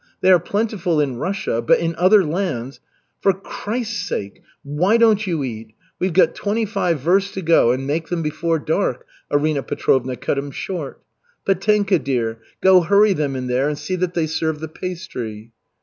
They are plentiful in Russia, but in other lands " "For Christ's sake, why don't you eat? We've got twenty five versts to go and make them before dark," Arina Petrovna cut him short. "Petenka, dear, go hurry them in there, and see that they serve the pastry."